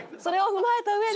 踏まえた上で？